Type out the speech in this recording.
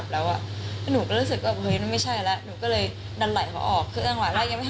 แต่ว่ามือเค้าก็ยังอยู่อีกอย่างเดิม